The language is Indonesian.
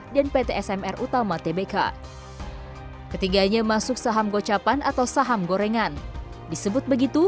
dan pt smr utama tbk ketiganya masuk saham gocapan atau saham gorengan disebut begitu